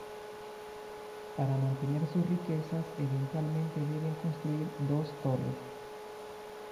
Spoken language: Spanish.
Para mantener sus riquezas, eventualmente deben construir dos torres.